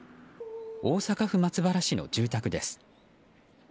大阪府松原市の住宅です。